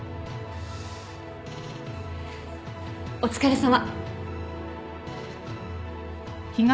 お疲れさま。